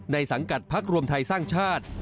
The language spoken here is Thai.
สังกัดพักรวมไทยสร้างชาติ